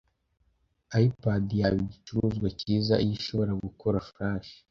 iPad yaba igicuruzwa cyiza iyo ishobora gukora Flash.